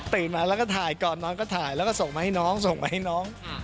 มาแล้วก็ถ่ายก่อนน้องก็ถ่ายแล้วก็ส่งมาให้น้องส่งมาให้น้อง